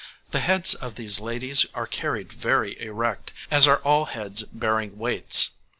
The heads of these ladies are carried very erect, as are all heads bearing weights.